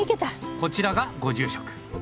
こちらがご住職。